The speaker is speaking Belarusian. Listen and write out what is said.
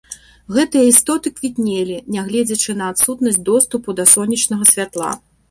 Гэтыя істоты квітнелі, нягледзячы на адсутнасць доступу да сонечнага святла.